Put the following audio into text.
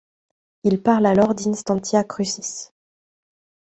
Il parle alors d'instantia crucis.